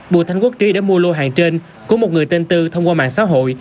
bộ thành quốc trí đã mua lô hàng trên của một người tên tư thông qua mạng xã hội